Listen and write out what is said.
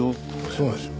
そうなんですよ。